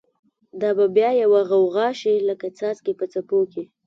دا به بیا یوه غوغا شی، لکه څاڅکی په څپو کی